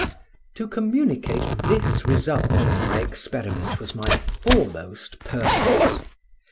To communicate this result of my experiment was my foremost purpose.